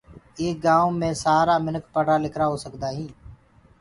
ايڪ گآئونٚ مي سآرآ منک پڙهرآ لکِرآ هو سگدآئينٚ